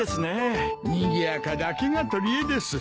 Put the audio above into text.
にぎやかだけが取りえです。